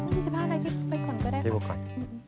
นี่๑๕บาทไปก่อนก็ได้ค่ะอืม